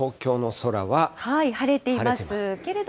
晴れています。